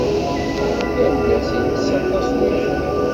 Yal ass, ittess aṭas n uyefki.